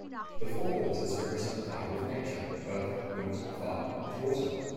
The four horses represent the power of nature: earth, wind, fire and water.